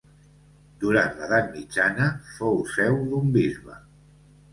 Durant l'edat mitjana fou seu d'un bisbe.